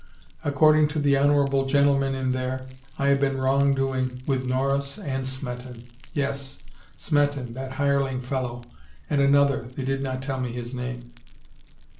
According to the honorable gentle men in there, I have been wrongdoing with Norris and Smeton — yes, Smeton, that hireling fellow, and an other — they did not tell his name.